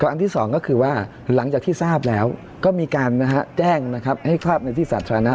อันที่๒ก็คือว่าหลังจากที่ทราบแล้วก็มีการแจ้งนะครับให้ทราบในที่สาธารณะ